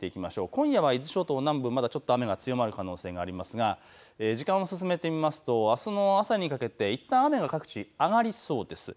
今夜は伊豆諸島南部、まだ強まる可能性もありますが時間を進めてみますとあすの朝にかけていったん雨が各地上がりそうです。